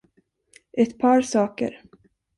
Ett par saker.